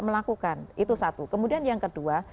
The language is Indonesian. melakukan itu satu kemudian yang kedua